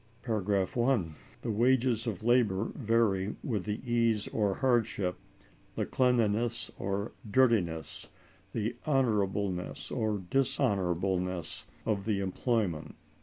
(1.) "The wages of labor vary with the ease or hardship, the cleanliness or dirtiness, the honorableness or dishonorableness of the employment.